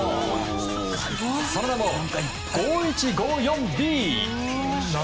その名も、５１５４Ｂ！